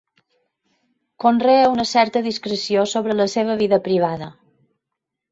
Conrea una certa discreció sobre la seva vida privada.